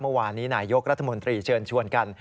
เมื่อวานนี้นายยกรัฐมนตรีเชิญชวนกัน